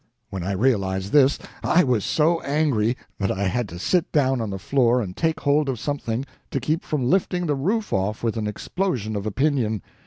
When I realized this, I was so angry that I had to sit down on the floor and take hold of something to keep from lifting the roof off with an explosion of opinion.